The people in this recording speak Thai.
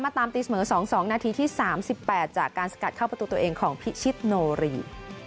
ตามตีเสมอ๒๒นาทีที่๓๘จากการสกัดเข้าประตูตัวเองของพิชิตโนรี